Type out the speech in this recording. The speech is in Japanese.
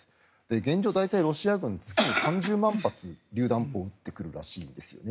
現状、大体ロシア軍月に３０万発りゅう弾砲を撃ってくるらしいんですね。